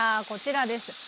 こちらです。